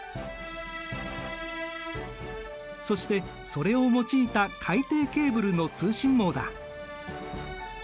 そしてそれを用いた海底ケーブルの通信網だ。